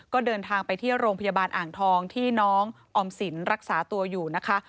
ก็เดินทางไปที่โรงพยาบาลอ่างทองที่น้องออมสินรักษาตัวอยู่นะคะ